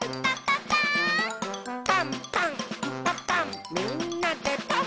「パンパンんパパンみんなでパン！」